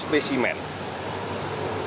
dan kami sudah mencoba tracking